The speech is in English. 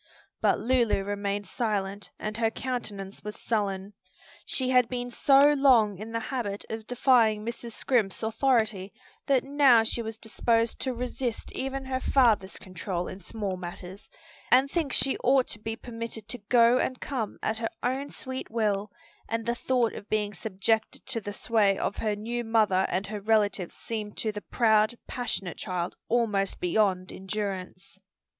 But Lulu remained silent, and her countenance was sullen. She had been so long in the habit of defying Mrs. Scrimp's authority that now she was disposed to resist even her father's control in small matters, and think she ought to be permitted to go and come at her own sweet will, and the thought of being subjected to the sway of her new mother and her relatives seemed to the proud, passionate child almost beyond endurance.